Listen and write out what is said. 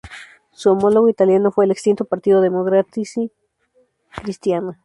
Su homólogo italiano fue el extinto partido Democracia Cristiana.